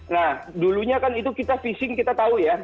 nah dulunya kan itu kita fishing kita tahu ya